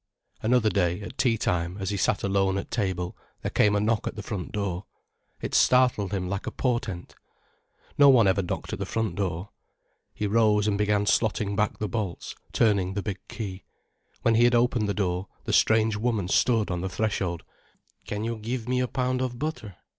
Another day, at tea time, as he sat alone at table, there came a knock at the front door. It startled him like a portent. No one ever knocked at the front door. He rose and began slotting back the bolts, turning the big key. When he had opened the door, the strange woman stood on the threshold. "Can you give me a pound of butter?"